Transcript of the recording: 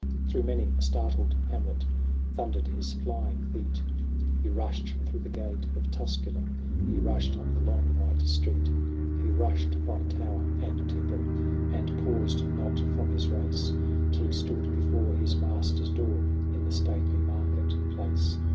Through many a startled hamlet Thundered his flying feet : He rushed through the gate of Tusculum, He rushed up the long white street ; He rushed by tower and temple, And paused not from his race Till he stood before his master's door In the stately market place.